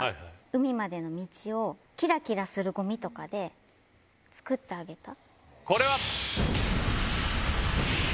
海までの道をきらきらするごみとかで作ってあげた。